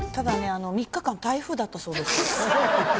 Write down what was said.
あの３日間台風だったそうです